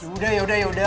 yaudah yaudah yaudah